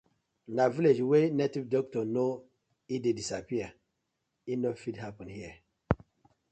Na village wey native doctor know e dey disappear, e no fit happen here.